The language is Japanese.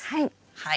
はい。